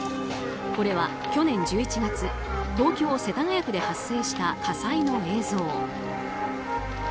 これは去年１１月東京・世田谷区で発生した火災の映像。